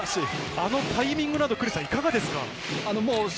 あのタイミングはいかがですか？